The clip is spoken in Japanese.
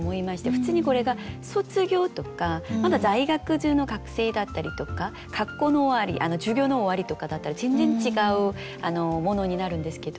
普通にこれが「卒業」とかまだ在学中の学生だったりとか学校の終わり「授業の終わり」とかだったら全然違うものになるんですけど。